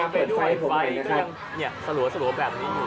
เปิดไฟอยู่เนี่ยสะลัวแบบนี้อยู่